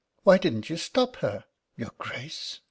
"Why didn't you stop her?" "Your Grace!"